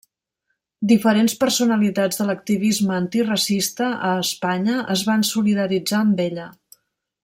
Diferents personalitats de l'activisme antiracista a Espanya es van solidaritzar amb ella.